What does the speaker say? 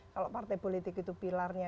kalau partai politik itu pilarnya